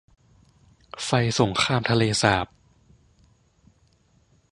ไฟส่งข้ามทะเลสาบ